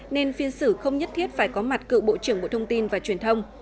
nên phiên xử không nhất thiết phải có mặt cựu bộ trưởng bộ thông tin và truyền thông